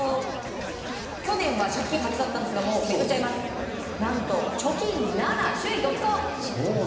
去年は借金８だったんですが何と貯金７、首位独走！